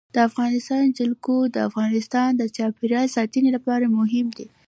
د افغانستان جلکو د افغانستان د چاپیریال ساتنې لپاره مهم دي.